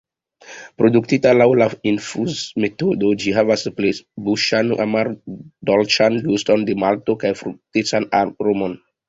Produktita laŭ la infuzmetodo, ĝi havas plenbuŝan, amardolĉan guston de malto kaj fruktecan aromon.